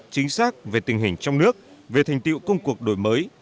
chính xác về tình hình trong nước về thành tiệu công cuộc đổi mới